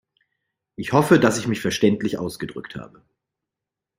Ich hoffe, dass ich mich verständlich ausgedrückt habe.